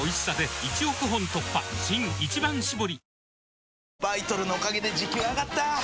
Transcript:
新「一番搾り」